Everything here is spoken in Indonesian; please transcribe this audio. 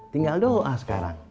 tinggal doa sekarang